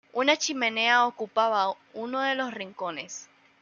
Una chimenea ocupaba uno de los rincones".